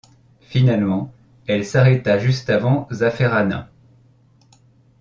Finalement, elle s'arrêta juste avant Zafferana.